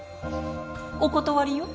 お断りよ。